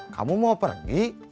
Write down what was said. kamu mau pergi